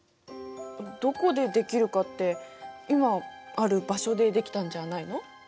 どこでできるかって今ある場所でできたんじゃないの？